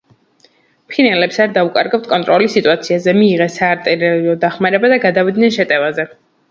ფინელებს არ დაუკარგავთ კონტროლი სიტუაციაზე, მიიღეს საარტილერიო დახმარება და გადავიდნენ შეტევაზე.